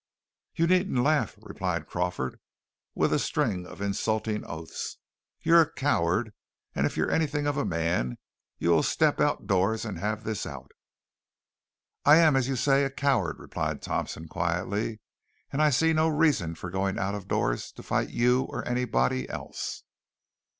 "You needn't laugh!" replied Crawford, with a string of insulting oaths. "You're a coward; and if you're anything of a man you will step out of doors and have this out." "I am, as you say, a coward," replied Thompson quietly, "and I see no reason for going out of doors to fight you or anybody else."